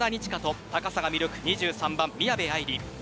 山田二千華と高さが魅力２３番、宮部藍梨。